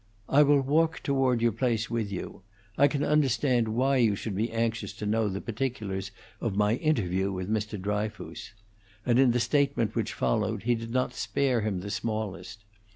"I will walk toward your place with you. I can understand why you should be anxious to know the particulars of my interview with Mr. Dryfoos"; and in the statement which followed he did not spare him the smallest.